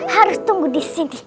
harmis tunggu di sini